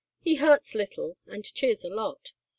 He hurts little and cheers a lot.